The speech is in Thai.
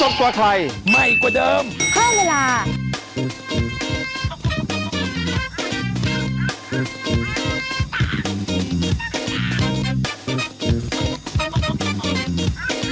โปรดติดตามตอนต่อไป